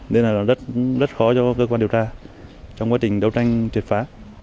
nên là rất khó cho cơ quan điều tra trong quá trình đấu tranh triệt phá